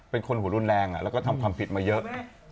เป็นคนหัวรุนแรงแล้วก็ทำความผิดมาเยอะ